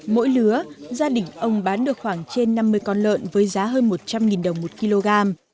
mỗi lứa gia đình ông bán được khoảng trên năm mươi con lợn với giá hơn một trăm linh đồng một kg